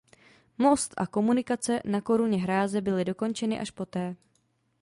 Most a komunikace na koruně hráze byly dokončeny až poté.